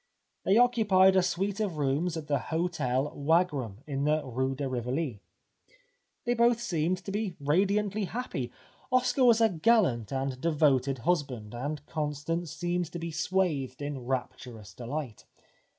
They occupied a suite of rooms at the Hotel Wagram in the rue de Rivoli. They both seemed to be radiantly happy. Oscar was a gallant and de R 257 The Life of Oscar Wilde voted husband, and Constance seemed to be swathed in rapturous dehght.